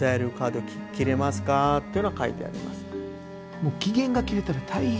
もう期限が切れたら大変よ。